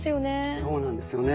そうなんですよね。